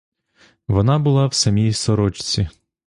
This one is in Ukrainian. Вона була в самій сорочці.